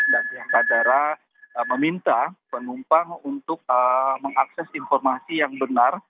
dan pihak bandara meminta penumpang untuk mengakses informasi yang benar